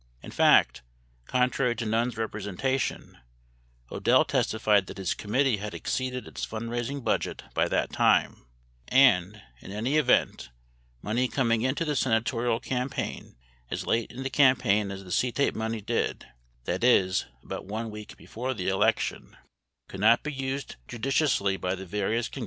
40 In fact, contrary to Nunn's representation, Odell testified that his committee had exceeded its fundraising budget by that time and, in any event, money coming into the senatorial committee as late in the campaign as the CTAPE money did (that is, about 1 week before the election) 33 Clancy, 16 Hearings 7410. 34 Odell, 16 Hearings 7419 20.